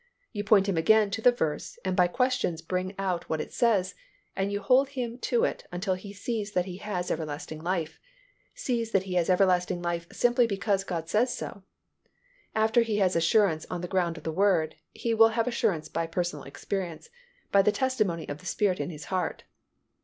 You point him again to the verse and by questions bring out what it says, and you hold him to it until he sees that he has everlasting life; sees that he has everlasting life simply because God says so. After he has assurance on the ground of the Word, he will have assurance by personal experience, by the testimony of the Spirit in his heart.